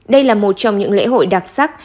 đây là một trong những lễ hội đặc sắc